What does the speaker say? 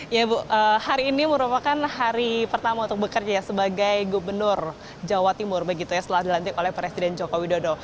ya ibu hari ini merupakan hari pertama untuk bekerja sebagai gubernur jawa timur begitu ya setelah dilantik oleh presiden joko widodo